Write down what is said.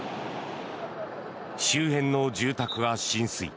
周辺の住宅が浸水。